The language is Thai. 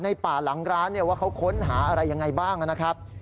ป่าหลังร้านว่าเขาค้นหาอะไรยังไงบ้างนะครับ